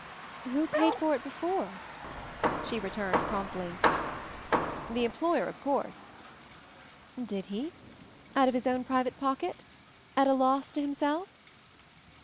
"Who paid for it before?" she returned promptly. "The employer, of course." "Did he? Out of his own private pocket? At a loss to himself."